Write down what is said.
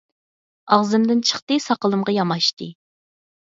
ئاغزىمدىن چىقتى، ساقىلىمغا ياماشتى.